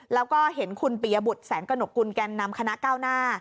แล้วก็เห็นคุณปียบุตรแสงกระหนกกุลแก่นำคณะก้าวหน้า